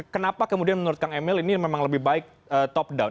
kenapa kemudian menurut kang emil ini memang lebih baik top down